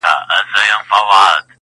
ستا دي غاړه وي په ټوله قام کي لکه!.